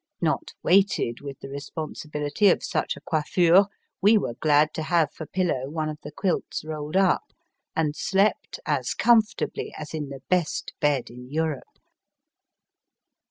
Not weighted with the responsibihty of such a coiffurey we were glad to have for pillow one of the quilts rolled up, and slept as comfortably as in the best bed in Europe.